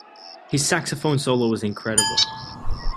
His saxophone solo was incredible.